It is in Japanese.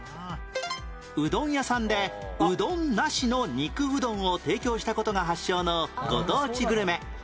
うどん屋さんでうどんなしの肉うどんを提供した事が発祥のご当地グルメ